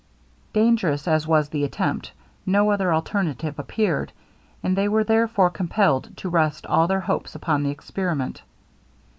Dangerous as was the attempt, no other alternative appeared, and they were therefore compelled to rest all their hopes upon the experiment.